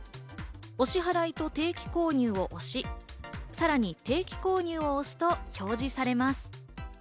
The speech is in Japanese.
お支払いと定期購入を押し、さらに定期購入を押すと表示されます。